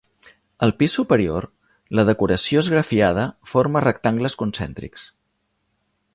Al pis superior, la decoració esgrafiada forma rectangles concèntrics.